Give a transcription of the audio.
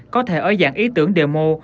có thể ở dạng ý tưởng demo